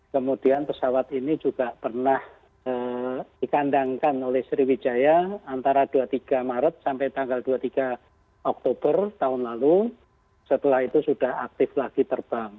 kemudian pesawat ini juga pernah dikandangkan oleh sriwijaya antara dua puluh tiga maret sampai tanggal dua puluh tiga oktober tahun lalu setelah itu sudah aktif lagi terbang